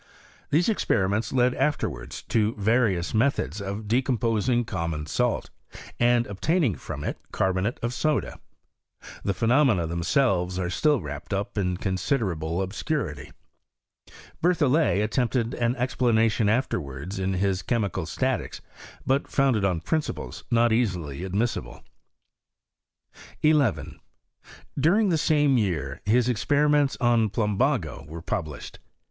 These experiments led afterwards to various methods of decomposing com mon salt, and obtaining from it carbonate of soda. The phenomena themselves are still wrapped up ia considerable obscurity. Berlhollet attempted an explanation afterwards in his Chemical Statics ; but founded on principles not easily admissible. 11. During the same year, his experiments on plumbago were published.